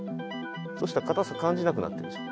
そしたら硬さ感じなくなってるんですよ。